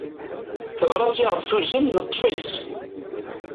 Tabrat i aɣ-d-tuzen neṭṭef-tt.